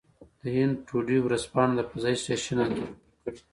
د هند ټوډې ورځپاڼه د فضايي سټېشن انځور خپور کړی.